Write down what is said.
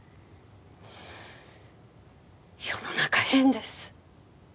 世の中変です。